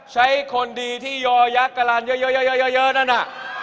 ใช้คนดีที่โย่บยักษ์กำลังเยอะนั้นน่ะ